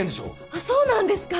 あっそうなんですか？